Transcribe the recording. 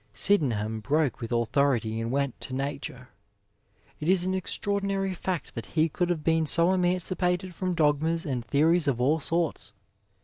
Sydenham broke with authority and went to nature. It is an extra ordinary fact that he could have been so emancipated from dogmas and theories of all sorts.